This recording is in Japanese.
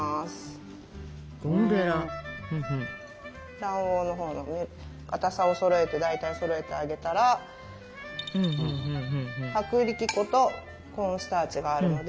卵黄のほうにかたさをそろえて大体そろえてあげたら薄力粉とコーンスターチがあるので。